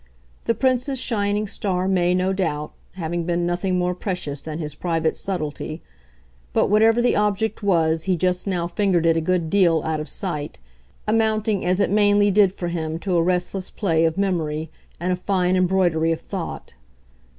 The Prince's shining star may, no doubt, having been nothing more precious than his private subtlety; but whatever the object was he just now fingered it a good deal, out of sight amounting as it mainly did for him to a restless play of memory and a fine embroidery of thought.